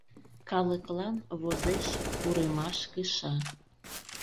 Калыклан возеш Курымаш кыша.